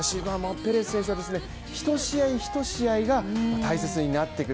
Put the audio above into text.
ペレス選手は１試合１試合が大切になってくる。